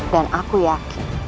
dan aku yakin